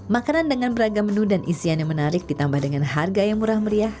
makanan dengan beragam menu dan isian yang menarik ditambah dengan harga yang murah meriah